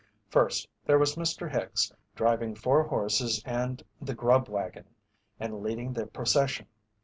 First, there was Mr. Hicks, driving four horses and the "grub wagon," and leading the procession.